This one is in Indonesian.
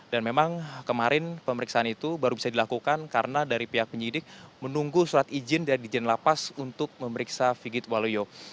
dan memang kemarin pemeriksaan itu baru bisa dilakukan karena dari pihak penyidik menunggu surat izin dari jendela pas untuk memeriksa figit waluyo